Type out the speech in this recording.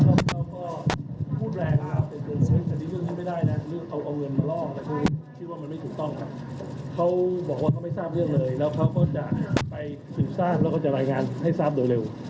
เขาบอกว่าเขาไม่ทราบเรื่องเลยแล้วเขาก็จากไปถึงทราบแล้วก็จะรายงานให้ทราบโดยเร็ว